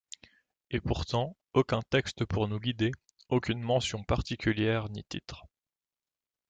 Et pourtant, aucun texte pour nous guider, aucune mention particulière, ni titre.